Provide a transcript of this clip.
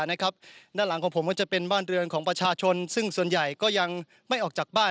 ด้านหลังของผมก็จะเป็นบ้านเรือนของประชาชนซึ่งส่วนใหญ่ก็ยังไม่ออกจากบ้าน